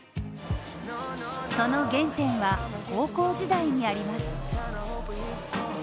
その原点は、高校時代にあります。